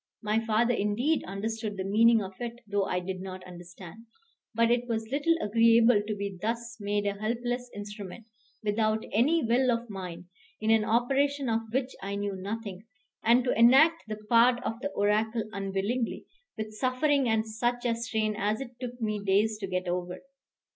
My father indeed understood the meaning of it though I did not understand; but it was little agreeable to be thus made a helpless instrument, without any will of mine, in an operation of which I knew nothing; and to enact the part of the oracle unwillingly, with suffering and such a strain as it took me days to get over.